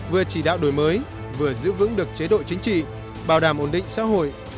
vừa chỉ đạo đổi mới vừa giữ vững được chế độ chính trị bảo đảm ổn định xã hội